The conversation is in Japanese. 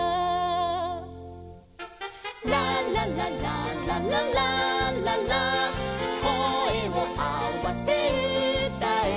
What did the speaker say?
「ラララララララララ」「こえをあわせうたえ」